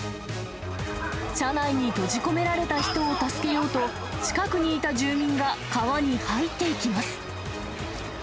車内に閉じ込められた人を助けようと、近くにいた住民が川に入っていきます。